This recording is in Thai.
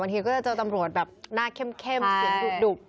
ทีก็จะเจอตำรวจแบบหน้าเข้มเสียงดุบ